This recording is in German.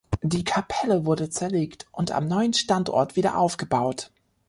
Die Kapelle wurde zerlegt und am neuen Standort wieder aufgebaut.